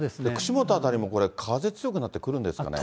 串本辺りも風強くなってくるんですかね。